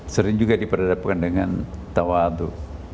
sering juga diperhadapkan dengan tawadu